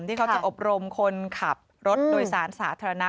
ที่เขาจะอบรมคนขับรถโดยสารสาธารณะ